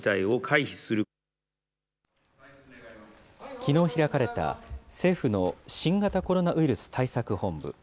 きのう開かれた政府の新型コロナウイルス対策本部。